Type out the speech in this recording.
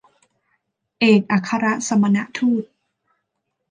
เอกอัครสมณทูต